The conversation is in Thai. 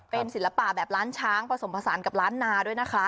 เป็นศิลปะแบบล้านช้างผสมผสานกับล้านนาด้วยนะคะ